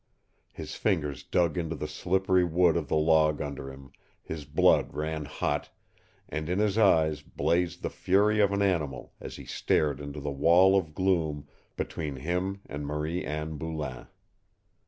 His fingers dug into the slippery wood of the log under him, his blood ran hot, and in his eyes blazed the fury of an animal as he stared into the wall of gloom between him and Marie Anne Boulain.